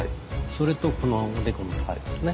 それとこのおでこのところですね。